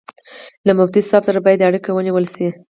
له مفتي صاحب سره باید اړیکه ونیول شي.